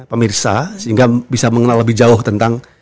pemirsa sehingga bisa mengenal lebih jauh tentang